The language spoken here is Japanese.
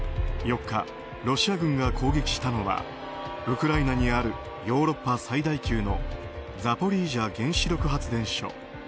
４日、ロシア軍が攻撃したのはウクライナにあるヨーロッパ最大級のザポリージャ原子力発電所。